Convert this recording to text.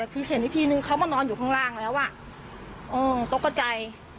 แล้วคือเห็นที่นึงเขามานอนอยู่ข้างล่างแล้วอ่ะเออตกใจ